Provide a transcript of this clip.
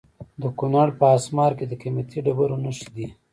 د کونړ په اسمار کې د قیمتي ډبرو نښې دي.